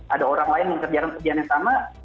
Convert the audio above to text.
ada orang lain yang kerjakan pekerjaan yang sama